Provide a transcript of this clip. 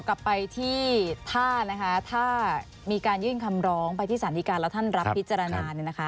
กลับไปที่ท่านะคะถ้ามีการยื่นคำร้องไปที่สารดีการแล้วท่านรับพิจารณาเนี่ยนะคะ